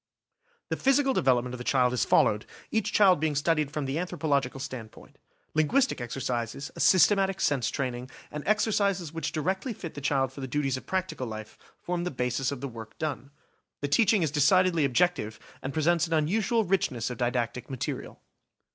The physical development of the children is followed, each child being studied from the anthropological standpoint. Linguistic exercises, a systematic sense training, and exercises which directly fit the child for the duties of practical life, form the basis of the work done. The teach ing is decidedly objective, and presents an unusual richness of didactic material.